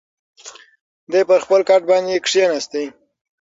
دی پر خپل کټ باندې کښېناست.